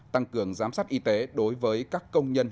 tăng cường giám sát y tế đối với các công nhân